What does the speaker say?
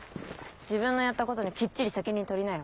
自分のやったことにきっちり責任取りなよ。